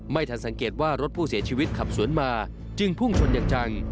ไม่ทันสังเกตว่ารถผู้เสียชีวิตขับสวนมาจึงพุ่งชนอย่างจัง